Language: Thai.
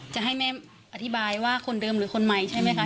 จะให้แม่อธิบายว่าคนเดิมหรือคนใหม่ใช่ไหมคะ